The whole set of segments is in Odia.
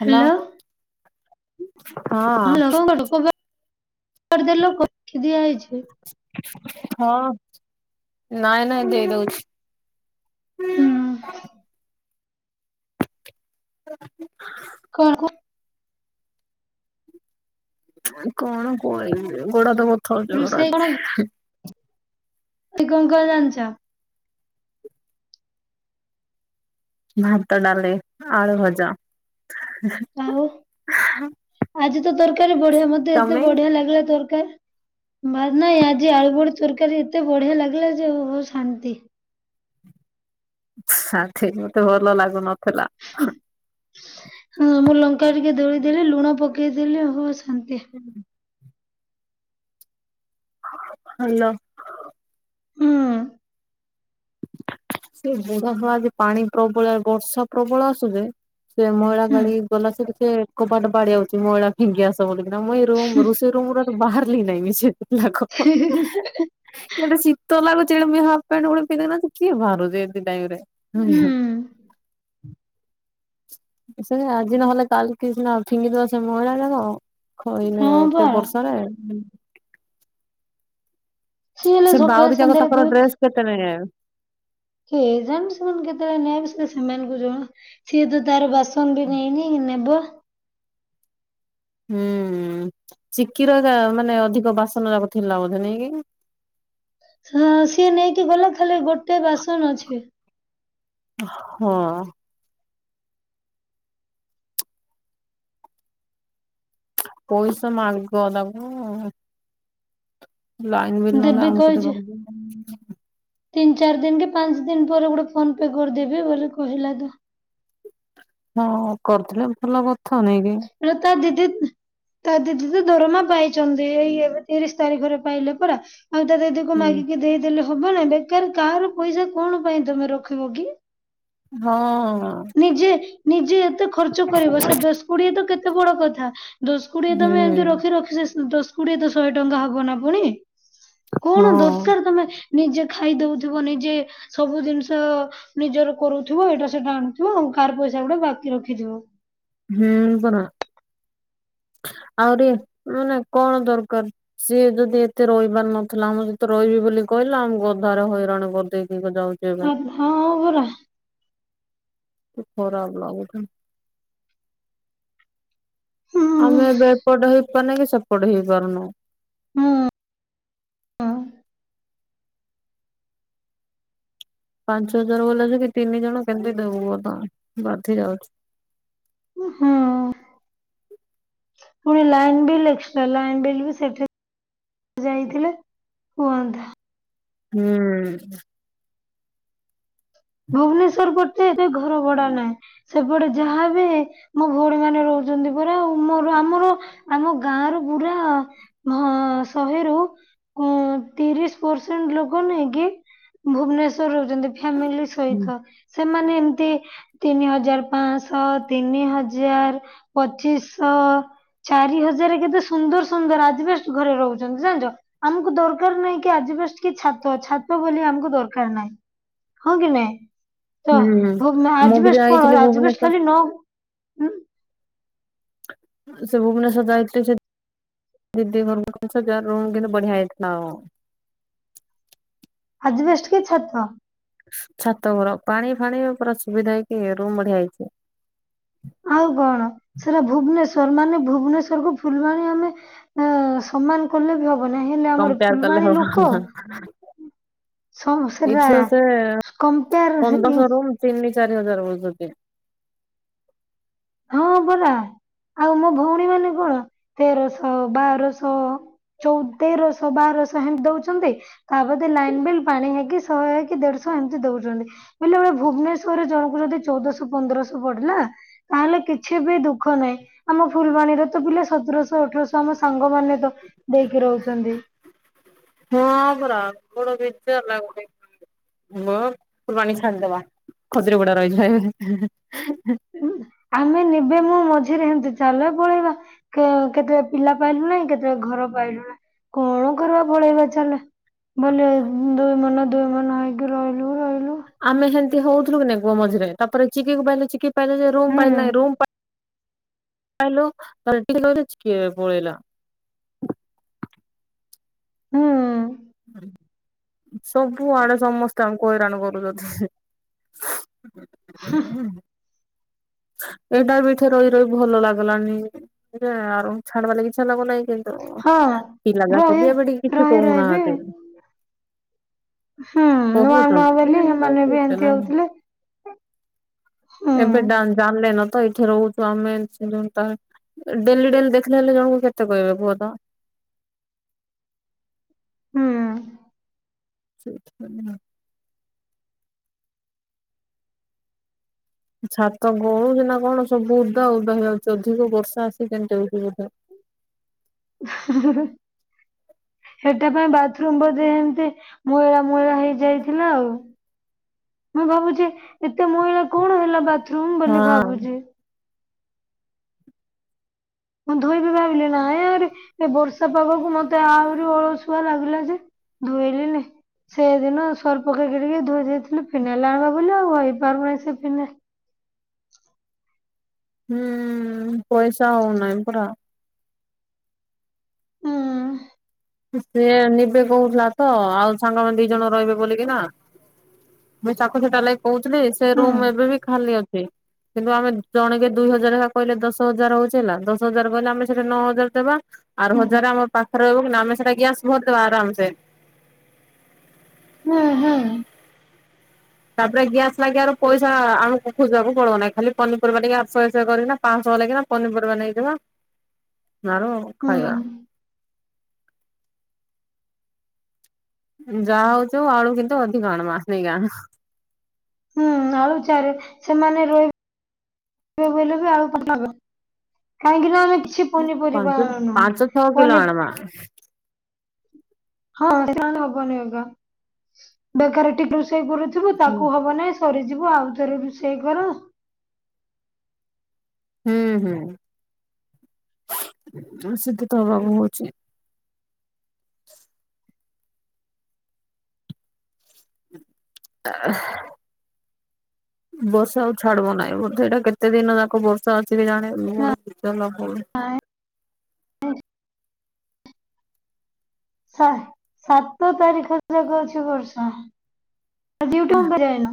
Hello hello. ହ ହଁ। [unintelligible] ଲୋକଙ୍କ ଲୋକଦେ ଲୋକ ଦିଆ ହେଇଛି। ହଁ ନାଇଁ ନାଇଁ ଦେଇଦଉଛି। ହୁଁ ହ କଣ କୁ କଣ କହିବି ଗୋଡା ତ ବଥଉଛୀ ମୋର ରୋଷେଇ ଆଜ୍ ଏଇ ଗଙ୍ଗା ଜାନିଛ? ଭାତ ଡାଲି ଆଳୁ ଭଜା। ଆଉ ଆଜି ତ ତରକାରୀ ବଢିଆ ମତେ ଏତେ ତମେ? ବଢିଆ ଲାଗିଲା ତରକାର। ବା ନାଇଁ ଆଜି ଆଳୁ ବଡି ତରକାରୀ ଏତେ ବଢିଆ ଲାଗିଲା ଯେ ଓହ ଶାନ୍ତି। ସାଠିକି ମତେ ଭଲ ଲାଗୁନଥିଲା। ହଁ ମୁଁ ଲଙ୍କା ଟିକେ ଦଳିଦେଲି ଲୁଣ ପକେଇଦେଲି ଓହୋଃ ଶାନ୍ତି। ହୁଁ ହାଲୋ। ହୁଁ ସେ ବୁଢା ହଁ ଆଜି ପାଣି ପ୍ରବଳ ବର୍ଷା ପ୍ରବଳ ଆସୁଛି। ସେ ମହିଳା ହୁଁ କାଲି ଗଲା ସେ ଟିକେ କବାଟ ବାଡେଇ ଆଉଛି ମଇଳା ଫିଙ୍ଗି ଆଶା ବୋଲି କିନ ମୁଁ ରୁମ୍ ରୁଶେଇ ରୁମ୍ ବାହାରିଲି ନାଇଁ ମିସେ ଲାଖ ହୁଁ ଇଆଡେ ଶୀତ ଲାଗୁଚ୍ଛି ହେଲେ ମୁଁ ହାପ ପ୍ୟାଣ୍ଟ୍ ଗୋଟେ ହେ ଦେଖୁନାହାନ୍ତି କିଆ ବାରୁଛି ଏତେ ଟାଇମ୍ ରେ। [unintelligible] ସେ ଆଜି ନହେଲେ କାଲି କି ସିନା ଫିଙ୍ଗିଦବା ସେ ମହିଳା ଗୁଡାକ। ଖଇନେ ହଁ ବା ଏତେ ବର୍ଷାରେ ସିଏ ହେଲେ ସେ ସକାଳ ବାଉରି ଯାକ ସନ୍ଧ୍ୟା ରେ ତାଙ୍କର ଦୁଧ ଡ୍ରେସ କେତେ ନେଇଯାଏ। କେ ଜାଣ ସେମାନେ କେତେବେଳେ ନବ ସେ ସେମାନଙ୍କୁ ଜଣ ସିଏ ତ ତାର ବାସ [unintelligible] ତଣ୍ଡି ନେଇନି ନେବ। ହୁଁ ଚିକିର ମାନେ ଅଧିକ ବାସନ ଯାକ ଥିଲା ବୋଧେ ନାଇ କି? ହଁ ସିଏ ନେଇକି ଗଲା ଖାଲି ଗୋଟେ ବାସନ ଅଛି। ହଁ। ପଇସା ମାଗ ତାକୁ। ଲାଇନ୍ ବିଲ୍ ନହଲେ ଦେବି ଆମକୁ କହିଛି। ଦେବାକୁ ପଡ଼ିବ। ତିନି ଚାରି ଦିନ କି ପାଞ୍ଚ ଦିନ ପରେ ଗୋଟେ ଫୋନ ପେ କରିଦେବି ବୋଲି କହିଲା ତ। ହଁ କରୁଥିଲେ ଭଲ କଥା ନେଇାଇକି? ହେଲେ ତା ଦିଦି ତା ଦିଦି ତ ଦରମା ପାଇଛନ୍ତି ଏଇ ଏବେ ତିରିଶ ତାରିଖରେ ପାଇଲେ ପରା। ଆଉ ତା ଦିଦିକୁ ହଁ ମାଗିକି ଦେଇଦେଲେ ହବ ନାଇ ବେକାର କାହାର ପଇସା କଣ ପାଇଁ ତମେ ରଖିବ କି? ହଁ। ନିଜେ ନିଜେ ଏତେ ଖର୍ଚ୍ଚ କରିବ ସେ ଦଶ କୋଡିଏ ତ କେତେ ବଡ କଥା। ଦଶ କୋଡିଏ ତମେ ଏମିତି ହୁଁ ରଖି ରଖିଛ ଦଶ କୋଡିଏ ତ ଶହେ ଟଙ୍କା ହବ ନା ପୁଣି। ହଁ କଣ ଦରକାର ତମେ ନିଜେ ଖାଇଦଉଥିବ ନିଜେ ସବୁ ଜିନିଷ ନିଜର କରୁଥିବ ଏଇଟା ସେଟା ଆଣୁଥିବ ଆଉ କାର ପଇସା ଗୁଡା ବାକି ରଖିଥିବ। ହୁଁ ପରା ଆହୁରି ମାନେ କଣ ଦରକାର ସିଏ ଯଦି ଏତେ ରହିବାର ନଥିଲା ଆମ ସତେ ରହିବି ବୋଲି କହିଲା ଆମ ଅଧାରେ ହଇରାଣ କରିଦେଇକି ଯାଉଛି ଏବେ। ହଁ ପରା। ଖରାପ ଲାଗୁଛି। ହୁଁ। ଆମେ ଏବେ ଏପଟ ହେଇପାରୁନୁ କି ସେପଟ ହେଇପାରୁନୁ। ହଁ ଉଁ। ପାଞ୍ଚ ହଜାର ବଲାଉଚି କି ତିନି ଜଣ କେମିତି ଦବୁ ତ ବାଧି ଯାଉଚି। ଉଁ ହଁ। ପୁଣି line bill extra line bill ବି ସେଠେ ଯାଇଥିଲେ ହୁଅନ୍ତା। ହୁଁ। ଭୁବନେଶ୍ଵର ପରତେ ଏତ ଘର ଭଡା ନାହିଁ। ସେପଟେ ଯାହା ବି ହେ ମୋ ଭଉଣୀ ମାନେ ରହୁଛନ୍ତି ପରା ଆଉ ମୋର ଆମର ଆମ ଗାଁ ର ପୁରା ଅ ଶହେରୁ ତିରିଶ ପରସେଣ୍ଟ ଲୋକ ନୁହେଁକି ଭୁବନେଶ୍ୱରରେ ରହୁଛନ୍ତି ଫାମିଲି ସ ସେମାନେ ଏମତି ତିନି ହଜାର ପାଆଁଶହ ତିନି ହଜାର ପଚିଶଶହ। ଚାରି ହଜାର କେତେ ସୁନ୍ଦର ସୁନ୍ଦର ଆଜି ବେଶ ଘରେ ରହୁଛନ୍ତି ଜାଣିଛ ଆମୁକୁ ଦରକାର ନାହିଁ କି ଆଜବେଷ୍ଟ କି ଛାତ ଛାତ ବୋଲି ଆମକୁ ଦରକାର ନାଇଁ। ହଁ କି ନାଇଁ ତ ହୁଁ ଭୋ ମୁଁ ଆଜେ ବି ବେଷ୍ଟ କଣ ଯାଇଥିଲି ହ ଆଜ ବେଷ୍ଟ ଭୁବନେଶ୍ଵର। ଖାଲି ନ ହୁଁ। ସେ ଭୁବନେଶ୍ଵର ଯାଇଥିଲି ଯେ ଦିଦି ଘର କଂସ ଜାରେ ରୁମ କିନି ବଢିଆ ହେଇଥିଲା ଆଉ। ଆଜବେଷ୍ଟ କି ଛାତ। ଛାତ ଘର ପାଣି ଫାଣି ପୁରା ସୁବିଧା ହେଇକି ରୁମ ବଢିଆ ହେଇଚି। ଆଉ କଣ [inaudible] ସେଟା ଭୁବନେଶ୍ଵର ମାନେ ଭୁବନେଶ୍ୱର କୁ ଫୁଲବାଣୀ ଆମେ ଅ ସମ୍ମାନ କଲେବି ହବ ବ ନହେଲେ ଆମର କମ୍ପେୟାର କଲେ ଭୁଲବାଣୀ ହବ। ଲୁକ ସ ସେଟା ଏଠୁ ସେ କମ୍ପେଆର ସେଇ ପନ୍ଦରଶହ ରୁମ୍ ତିନି ଚାରି ହଜାର ବଉଚନ୍ତି। ହଁ ବରା ଆଉ ମୋ ଭଉଣୀ ମାନେ କଣ ତେରଶହ ବାରଶହ ଚଉଦେର ସବାର ସାହେନ୍‌ ଦଉଚନ୍ତି। ତାପଦେ ଲାଇନ ବିଲ୍ ପାଣି ହେଇକି ଶହେ ହେଇକି ଦେଢଶହ ଏମିତି ଦଉଚନ୍ତି। ବୋଇଲେ ଓଏ ଭୁବନେଶ୍ୱରରେ ଜଣଙ୍କୁ ଯଦି ଚଉଦଶହ ପନ୍ଦରଶହ ପଡିଲା ତାହେଲେ କିଛି ବି ଦୁଃଖ ନାହିଁ ଆମ ଫୁଲବାଣୀରେ ତ ପିଲା ସତରଶହ ଅଠରଶହ ଆମ ସାଙ୍ଗମାନୋନେ ତ ଦେଇକି ରହୁଛନ୍ତି। ହଁ ପରା ବଡ ବିଜାରା ଲାଗୁଚି। ମୋ ଫୁଲବାଣୀ ଛାଡ଼ିଦବା ଖଜୁରୀ ପଡା ରହିଯିବା। ଉଁ ଆମେ ନିବେ ମୁଁ ମଝିରେ ଏମତି ଚାଲ ପଳେଇବା। କେ କେତେ ପିଲା ପାଇଲୁ ନାହିଁ କେତେ ଘର ପାଇଲୁ ନା କଣ କରିବା ପଳେଇବା ଚାଲେ। ବଲେ ଦୁଇ ମନ ଦୁଇ ମନ ହେଇକି ରହିଲୁ ରହିଲୁ। ଆମେ ସେମତି ହଉଥିଲୁ କି ନାଇଁ କୁହ ମଝିରେ ତାପରେ ଚିକିକୁ ପାଇଲେ ଚିକି ପାଇଲେ ଯେ ରୁମ୍ ହୁଁ। ପାଇଲେ ରୁମ ପାଇଲୁ [unintelligible] ଚିକିଏ ପଳେଲା। ହୁଁ। ସବୁଆଡେ ସମସ୍ତେ ଆମୁକୁ ହଇରାଣ କରୁଛନ୍ତି। ହୁଁଉଁ। ଏଇଟା ବି ଏଠେ ରହି ରହି ଭଲ ଲାଗିଲାନି ଆଉ ଛାଡିବା ଲାଗି ଇଚ୍ଛାହେଲା ବୋଲେ ତ ହଁ ପିଲା ରହି ଯାକବି ଏବେ ଟିକେ କିଛି ରହି ରହିବି କହୁନାହାନ୍ତି। ହୁଁ ନୂଆ ନୂଆ ବୋଲି ହେମାନେ ବି ଏମିତି କହୁଛନ୍ତି ହଉଥିଲେ। ହୁଁ। ଏବେ ଡାନ ଜାଣିଲେନ ତ ଏଇଠି ରହୁଚୁ ଆମେ ଜିଅନ୍ତା। ଡେଲି ଡେଲି ଦେଖିଲେ ହେଲେ ଜଣଙ୍କୁ କେତେ କହିବେ କୁହତ। ହୁଁ [unintelligible] ଛାତ ଗଳୁଚି ନା କଣ ସବୁ ଉଦା ଉଦା ହେଇଯାଉଛି ଅଧିକ ବର୍ଷା ଆସି କେମତି ହଉଚି ବୋଧେ। ହେଟା ପାଇଁ ବାଥରୁମ ବୋଧେ ହେମିତି ମଇଳା ମଇଳା ହେଇ ଯାଇଥିଲା ଆଉ ମୁଁ ଭାବୁଚି ଏତେ ମଇଳା କଣ ହେଲା ବାଥରୁମ୍ ବୋଲି ହଁ ଭାବୁଛି? ମୁଁ ଧୋଇବି ଭାବିଲି ନାଁ ଆରେ ଏ ବର୍ଷା ପାଗକୁ ମତେ ଆହୁରି ଅଳସୁଆ ଲାଗିଲା ଯେ ଧୋଇଲିନି। ସେ ଦିନ ସର୍ଫ ପକେଇକି ଟିକେ ଧୋଇ ଦେଇଥିଲି ଫିନାଇଲ ଆଣିବା ବୋଲି ଆଉ ହେଇପାରୁନାହିଁ ସେ ଫିନାଇଲ। ହୁଁ ପଇସା ହଉନାଇପରା। ହୁଁ ସେ ନିିବେ କହୁଥିଲା ତ ଆଉ ସାଙ୍ଗମାନେ ଦି ଜଣ ରହିବେ ବୋଲିକି ନା ମୁଇ ତାକୁ ସେଟା ଲାଗ କହୁଥିଲି ସେ ହୁଁ ରୁମ୍ ଏବେ ବି ଖାଲି ଅଛି। କିନ୍ତୁ ଆମେ ଜଣେକେ ଦୁଇ ହଜାର ହେ କହିଲେ ଦଶ ହଜାର ହଉଛି ହେଲା ଦଶ ହଜାର କହିଲେ ଆମେ ସେଠି ନଅ ହଜାର ଦେବା। ଆର ହୁଁ ହଜାରେ ଆମ ପାଖରେ ରହିବ କି ଆମେ ସେଟା ଗ୍ୟାସ ଭରିଦବା ଆରାମ ସେ। ହୁଁ ହୁଁ। ତାପରେ ଗ୍ୟାସ୍ ଲାଗି ଆରୁ ପଇସା ଆଣୁ ଖୋଜିବାକୁ ପଡିବନାହିଁ ଖାଲି ପନିପରିବା ଟିକେ ଆଠ ଶହେ ଶହ କରିକିନା ପାଞ୍ଚଶହ ଲାଗି କିନା। ପନିପରିବା ନେଇଯିବା ଆଳ ହୁଁ ଖାଇବା। ଯାହା ହଉଛି ହଉ ଆଳୁ କିନ୍ତୁ ଅଧିକ ଆଣମା ସେଇଆ। ହୁଁ ଆଳୁ ଚାର ସେମାନେ ରହ ର ବୋଇଲେ ବି ଆଳୁ ପଠବେ। କାହିଁକି ନା ଆମେ କିଛି ପନିପରିବା ବନେ ହଁ। ହଁ ସେ ହବନି [unintelligible] ବେକାର ଟିକେ ରୋଷେଇ କରୁଥିବୁ ହୁଁ ତାକୁ ହବ ନାଇଁ ସରିଯିବ ଆଉଥରେ ରୋଷେଇ କର। ହୁଁ ହୁଁ ସେତ ତ ହବାକୁ ହଉଛି। [inaudible] ଆ ହା। ବର୍ଷା ଆଉ ଛାଡବ ନାହିଁ ବୋଧେ ଏଟା କେତେ ଦିନ ଯାକ ବର୍ଷା [unintelligible] ନାଇଁ ସାତ ତାରିଖ ଯାକ ଅଛି ବର୍ଷା [unintelligible]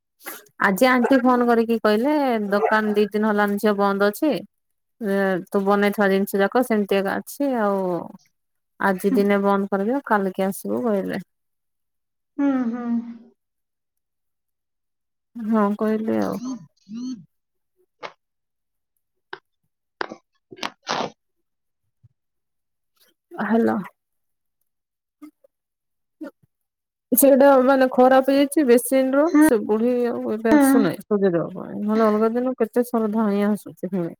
[inaudible] ଆଜି ଆଣ୍ଟି ଫୋନ କରିକି କହିଲେ ଦୋକାନ ଦି ଦିନ ହେଲାଣି ଝିଅ ବନ୍ଦ ଅଛି। ତୁ ବନେଇଥିବା ଜିନିଷ ଯାକ ସେମିତି ଏକା ଅଛି ଆଉ। ଆଜି ଦିନେ ବନ୍ଦ କରିବା କାଲିକି ଆସିବୁ କହିଲେ। ହୁଁ ହୁଁ। ହଁ କହିଲି ଆଉ। [inaudible] ହ୍ୟାଲୋ। ସେଇଟା ମାନେ ଖରାପ ହେ ଛି ବେସିନ ରୁ ହୁଁ ସେବେ ହିଁ ଆଉ ଏବେ ଆସୁନାହିଁ [unintelligible] [unintelligible]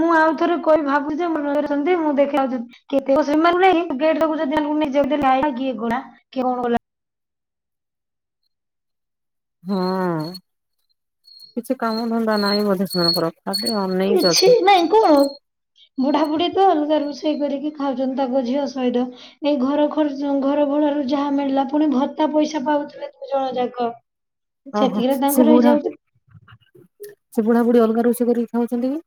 ମୁଁ ଆଉ ଥରେ କହିବି ଭାବୁଛି [unintelligible] [unintelligible] ହଁ କିଛି କାମ ଧନ୍ଦା ନାହିଁ ବୋଧେ ସେମାନଙ୍କର? ଆ ଖାଲି ଅନେଇକି ଅଛନ୍ତି। କ ବୁଢ଼ା ବୁଢ଼ୀ ତ ଅଲଗା ରୋଷେଇ କରିକି ଖାଉଛନ୍ତି ତାଙ୍କ ଝିଅ ସହିତ। ଏଇ ଘର ଖରଚ ଘର ଭଡ଼ା ରୁ ଯାହା ମିଳିଲା ପୁଣି ଭତ୍ତା ପଇସା ପାଉଥିବେ ଦୁଇ ଜଣ ଯାକ। ଓହୋ ସେତିକିରେ ସେ ତାଙ୍କର ବୁଢ଼ା ହେଇଯାଉଛି ସେ ବୁଢ଼ାବୁଢ଼ୀ ଅଲଗା ରୋସେଇ କରିକି ଖାଉଛନ୍ତି କି?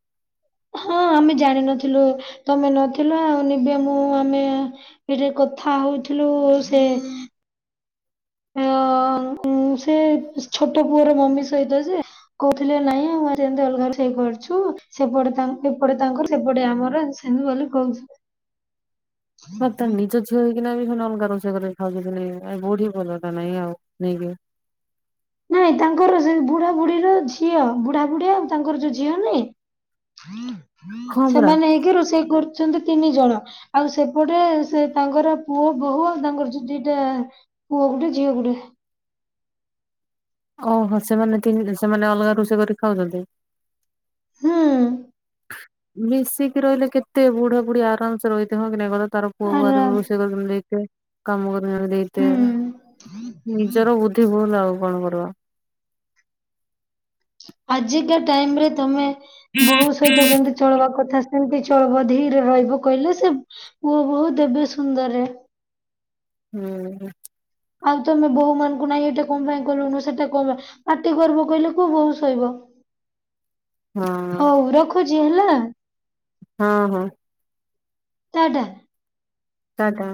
ହଁ ଆମେ ଜାଣିନଥିଲୁ ତମେ ନଥିଲ ଆଉ ନିବେ ମୁଁ ଆମେ ଧିରେ କଥା ହଉଥିଲୁ ସେ ହଁ ମୁଁ ସେ ଛୋଟ ପୁଅର ମମି ସହିତ ଯେ କହୁଥିଲେ ନାଇଁ [unintelligible] ସେପଟେ ତା ଏପଟେ ତାଙ୍କର ଏପଟେ ଆମର ଏମତୀ ସେମତୀ ବୋଲି କହୁ [inaudible] ସେ ତା ନିଜ ଝିଅ ହେଇକିନା ବି ସେମାନେ ଅଲଗା ରୋଷେଇ କରି ଖାଉ ନାଇଁ ଆଉ ବୁଢ଼ୀ ଭଲା ଟା ନାଇଁ ଆଉ ନେଇକି ନାଇଁ, ତାଙ୍କର ସେ ବୁଢା ବୁଢ଼ୀର ଝିଅ। ବୁଢା ବୁଢ଼ୀ ଆଉ ତାଙ୍କର ଯୋଉ ଝିଅ ନାଇଁ ହଁ ପରା ସେମାନେ ହେଇକି ରୋଷେଇ କରୁ ଅଛନ୍ତି ତିନି ଜଣ। ଆଉ, ସେପଟେ ସେ ତାଙ୍କର ପୁଅ ବୋହୂ ଆଉ, ତାଙ୍କର ଯଉ ଦିଟା ପୁଅ ଗୁଟେ ଝିଅ ଗୁଟେ। ଓହୋ! ସେମାନେ ତିନ, ସେମାନେ ଅଲଗା ରୋଷେଇ କରି ଖାଉଛନ୍ତି। ହୁଁ। ମିଶିକି ରହିଲେ କେତେ, ବୁଢା ବୁଢୀ ଆରାମସେ ରହିଥେ ହଁ, କି ନାଇଁ କହିଲ ତାର ପୁଅବୁଆରେ ଆର [unintelligible] ରୁଷେଇ କରୁଚନ ଦେଖିଆ। କାମ କରି ନ ଦେଇତେ, ହୁଁ ନିଜର ବୁଦ୍ଧି ଭୁଲ୍ ଆଉ କଣ କରିବ? ଆଜିକା ଟାଇମ୍ ରେ ତମେ, ବୋହୁ ସହିତ କେମତି ଚଳବା କଥା ସେମିତି ଚଳବ ଧିରେ ରହିବ, କହିଲେ ସେ ପୁଅ ବହୁ ଦେବେ ସୁନ୍ଦରରେ। ହୁଁ। ଆଉ, ତମେ ବୋହୂ ମାନଙ୍କୁ ନାଇଁ, ଏଇଟା କଣ ପାଇଁ କଲୁନୁ? ସେଟା କଣ ପାଇଁ ପାଟି କରବ କହିଲେ, କୋଉ ବୋହୁ ସଇବ? ହଁ ହଉ ରଖୁଛି ହେଲା। ହଁ ହଁ। ଟା ଟା। ଟା ଟା।